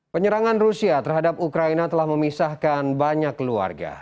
penyerangan rusia terhadap ukraina telah memisahkan banyak keluarga